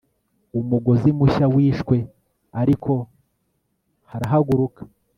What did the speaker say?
Umugozi mushya wishwe Ariko harahaguruka